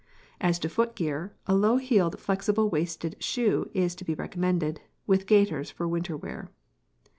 p> As to foot gear, a low heeled flexible waisted shoe is to be recommended, with gaiters for winter wear.